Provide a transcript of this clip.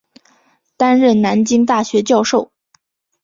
担任南京大学教授。